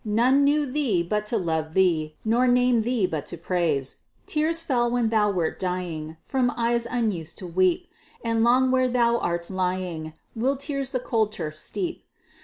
None knew thee but to love thee, Nor named thee but to praise. Tears fell, when thou wert dying, From eyes unused to weep, And long where thou art lying, Will tears the cold turf steep.